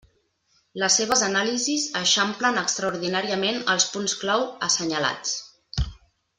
Les seves anàlisis eixamplen extraordinàriament els punts clau assenyalats.